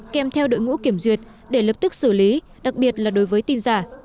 kèm theo đội ngũ kiểm duyệt để lập tức xử lý đặc biệt là đối với tin giả